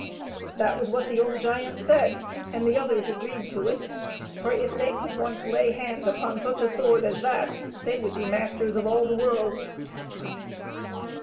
That was what the old giant said, and the THE WHITE BIRD. "3 others agreed to it ; for if they could once lay hand upon such a sword as that they would be masters of all the world.